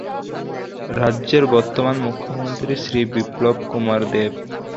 রাজ্যের বর্তমান মুখ্যমন্ত্রী শ্রী বিপ্লব কুমার দেব।